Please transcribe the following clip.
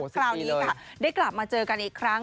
คราวนี้ค่ะได้กลับมาเจอกันอีกครั้ง